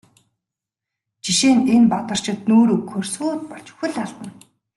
Жишээ нь энэ Бадарчид нүүр өгөхөөр сүйд болж хөл алдана.